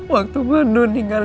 waktu ngandun tinggalin cuy